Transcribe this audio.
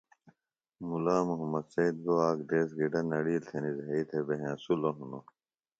مُلا محمد سید گو آک دیس گِڈہ نڑیل تھنیۡ زھائی تھےۡ بےۡ ہینسِلوۡ ہِنوۡ